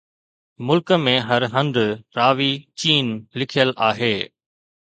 ملڪ ۾ هر هنڌ راوي چين لکيل آهي.